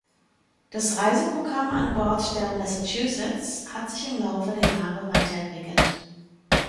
Das Reiseprogramm an Bord der „Massachusetts“ hat sich im Laufe der Jahre weiterentwickelt.